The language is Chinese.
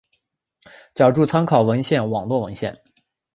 脚注参考文献网络文献